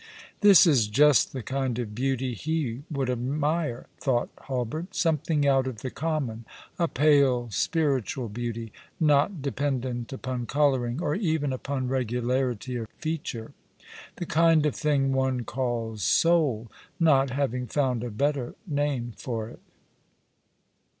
" This is just the kind of beauty he would admire," thought Hulbert, " something out of the common — a pale, spiritual beauty — not dependent npon colouring, or even upon regu larity of feature — the kind of thing one calls soul, not having found a better name for it."